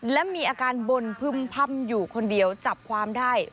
และมีอาการบนพึ่มพ่ำอยู่คนเดียวจับความได้